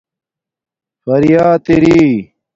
فریات اری